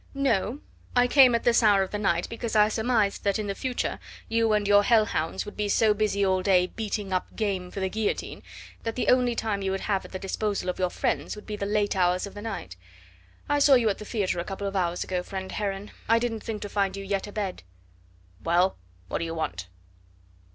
"No; I came at this hour of the night because I surmised that in the future you and your hell hounds would be so busy all day 'beating up game for the guillotine' that the only time you would have at the disposal of your friends would be the late hours of the night. I saw you at the theatre a couple of hours ago, friend Heron; I didn't think to find you yet abed." "Well, what do you want?"